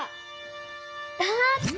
だって！